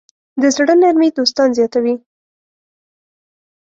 د زړۀ نرمي دوستان زیاتوي.